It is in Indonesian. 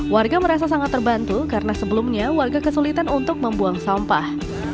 warga merasa sangat terbantu karena sebelumnya warga kesulitan untuk membuang sampah